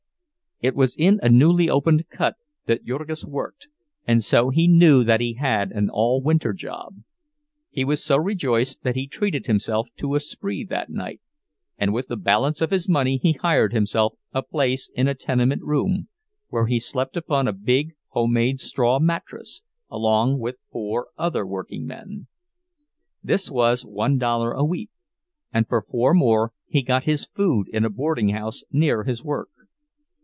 It was in a newly opened cut that Jurgis worked, and so he knew that he had an all winter job. He was so rejoiced that he treated himself to a spree that night, and with the balance of his money he hired himself a place in a tenement room, where he slept upon a big homemade straw mattress along with four other workingmen. This was one dollar a week, and for four more he got his food in a boardinghouse near his work.